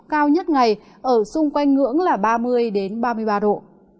cao nhất ngày ở xung quanh ngưỡng là ba mươi ba mươi ba độ